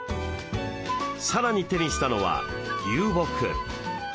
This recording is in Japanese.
さらに手にしたのは流木。